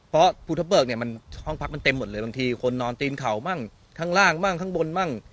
เพราะภูทะเบิกเนี่ยมันห้องพักมันเต็มหมดเลยบางทีคนนอนตีนเขามั่งข้างล่างมั่งข้างบนมั่ง